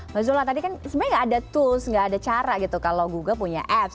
zola tadi kan sebenarnya nggak ada tools nggak ada cara gitu kalau google punya apps